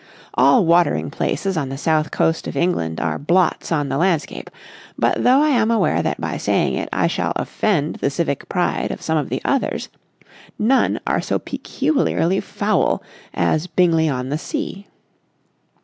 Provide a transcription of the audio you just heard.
All watering places on the south coast of England are blots on the landscape, but though I am aware that by saying it I shall offend the civic pride of some of the others—none are so peculiarly foul as Bingley on the Sea.